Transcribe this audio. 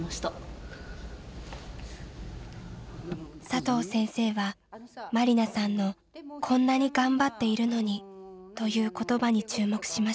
佐藤先生は万里奈さんの「こんなに頑張っているのに」という言葉に注目しました。